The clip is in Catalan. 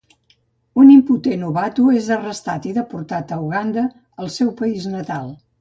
Un impotent Obatu és arrestat i deportat a Uganda, el seu país natal.